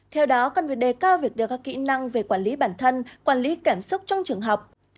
theo đó cần phải đề cao việc đưa các kỹ năng về quản lý bản thân quản lý cảm xúc trong trường học